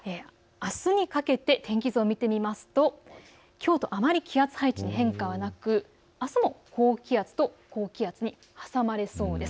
あすにかけて天気図を見てみるときょうとあまり気圧配置に変化はなく、あすも高気圧と高気圧に挟まれそうです。